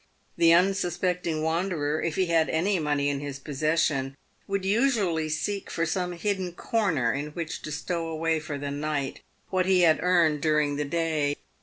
The unsuspecting wanderer, if he had any money in his possession, would usually seek for some hidden corner in which to stow away for the night what he had earned during the day.